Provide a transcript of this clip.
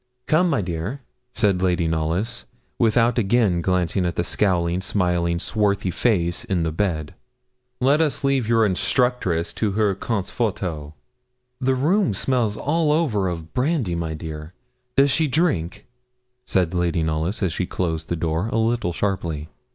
'Come, my dear,' said Lady Knollys, without again glancing at the scowling, smiling, swarthy face in the bed; 'let us leave your instructress to her concforto.' 'The room smells all over of brandy, my dear does she drink?' said Lady Knollys, as she closed the door, a little sharply.